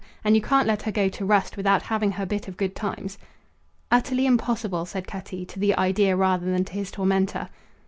And you can't let her go to rust without having her bit of good times." "Utterly impossible," said Cutty, to the idea rather than to his tormentor.